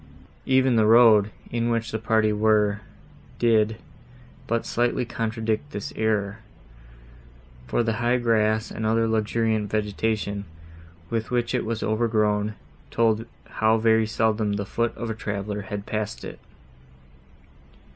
Even the road, in which the party were, did but slightly contradict this error, for the high grass and other luxuriant vegetation, with which it was overgrown, told how very seldom the foot of a traveller had passed it.